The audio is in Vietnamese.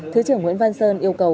thứ trưởng nguyễn văn sơn yêu cầu